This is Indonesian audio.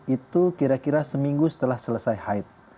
itu kira kira seminggu setelah selesai hide